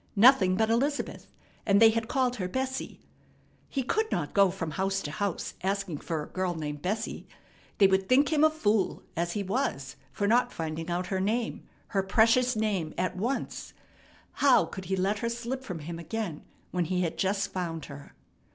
Nothing but Elizabeth, and they had called her Bessie. He could not go from house to house asking for a girl named Bessie. They would think him a fool, as he was, for not finding out her name, her precious name, at once. How could he let her slip from him again when he had just found her?